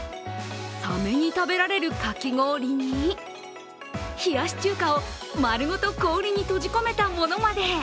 サメに食べられるかき氷に冷やし中華をまるごと氷に閉じ込めたものまで。